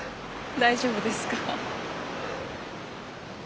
大丈夫ですか？